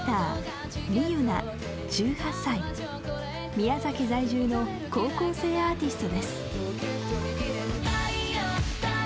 宮崎在住の高校生アーティストです。